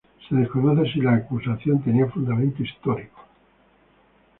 Se desconoce si la acusación tenía fundamento histórico.